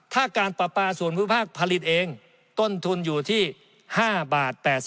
ถ้าการปรับปราสูญภาพผลิตเองต้นทุนอยู่ที่๕บาท๘๑